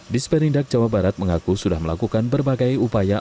disperindak jawa barat mengaku sudah melakukan berbagai upaya